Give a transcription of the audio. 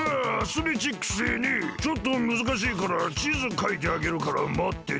ちょっとむずかしいからちずかいてあげるからまってて。